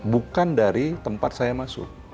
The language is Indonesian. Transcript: bukan dari tempat saya masuk